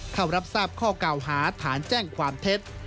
เข้ารับทราบข้อเก่าหาฐานแจ้งความเท็จ